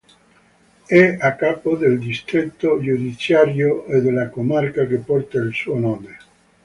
È a capo del distretto giudiziario e della comarca che porta il suo nome.